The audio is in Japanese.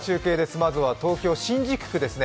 まずは東京・新宿区ですね。